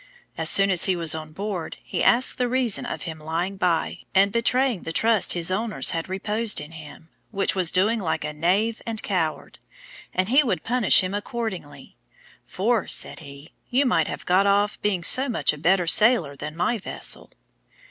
As soon as he was on board, he asked the reason of his lying by, and betraying the trust his owners had reposed in him, which was doing like a knave and coward, and he would punish him accordingly; for, said he, you might have got off, being so much a better sailer than my vessel.